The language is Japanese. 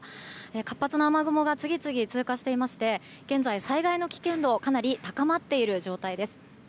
活発な雨雲が次々通過していまして現在、災害の危険度がかなり高まっている状態です。